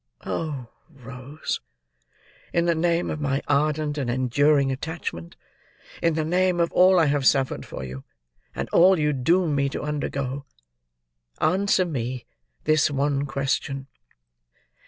Oh, Rose: in the name of my ardent and enduring attachment; in the name of all I have suffered for you, and all you doom me to undergo; answer me this one question!"